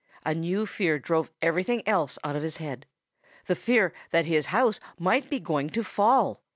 A new fear drove everything else out of his head the fear that his house might be going to fall!